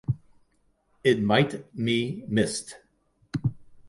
it might me missed